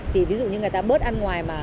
thì ví dụ người ta bớt ăn ngoài mà